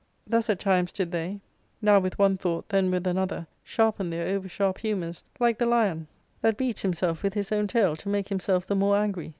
Thus at times did they, now with one thought, then with another, sharjJen their over sharp humours, like the lion that beats himself with his own tail to make himself the more angry.